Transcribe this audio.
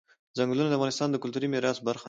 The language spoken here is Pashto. ځنګلونه د افغانستان د کلتوري میراث برخه ده.